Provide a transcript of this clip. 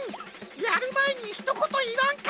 やるまえにひとこといわんか！